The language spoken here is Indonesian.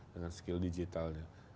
dengan skill digitalnya